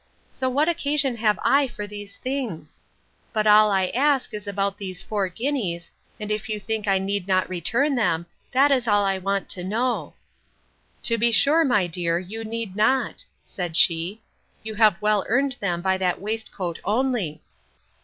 So what occasion have I for these things?—But all I ask is about these four guineas, and if you think I need not return them, that is all I want to know.—To be sure, my dear, you need not, said she; you have well earned them by that waistcoat only.